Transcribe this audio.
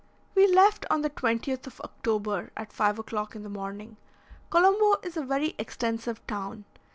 We left on the 20th of October, at 5 o'clock in the morning. Colombo is a very extensive town.